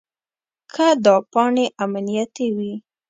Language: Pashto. که دا پاڼې امنیتي وي.